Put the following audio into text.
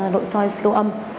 nội soi siêu âm